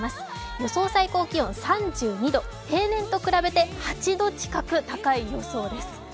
予想最高気温３２度、平年と比べて８度近く高い予想です。